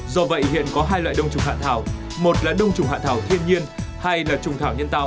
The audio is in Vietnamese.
do vậy hiện có hai loại đồng trùng hạ thảo một là đồng trùng hạ thảo thiên nhiên hai là trùng thảo nhân tạo